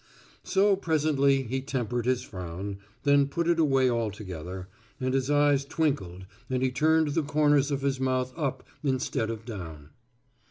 So presently he tempered his frown, then put it away altogether, and his eyes twinkled and he turned the corners of his mouth up instead of down.